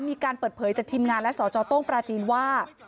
มีการเปิดเผยจากทีมงานและสจต้งปราจีนว่า